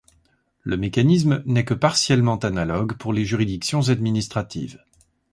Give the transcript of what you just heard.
Le mécanisme n'est que partiellement analogue pour les juridictions administratives.